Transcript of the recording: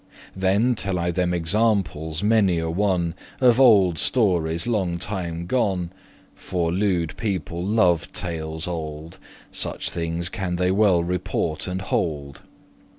Then tell I them examples many a one, Of olde stories longe time gone; For lewed* people love tales old; *unlearned Such thinges can they well report and hold.